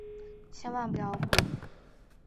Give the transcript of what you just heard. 千万不要哭！